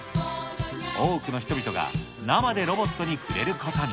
多くの人々が生でロボットに触れることに。